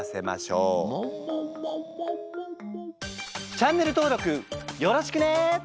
チャンネル登録よろしくね！